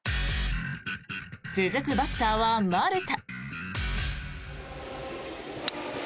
続くバッターは丸田。